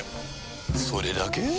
それだけ？